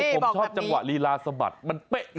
ผมชอบจังหวะลีลาสะบัดมันเป๊ะ